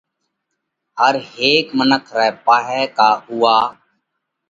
هر هيڪ منک رئہ پاهئہ ڪا اُوئا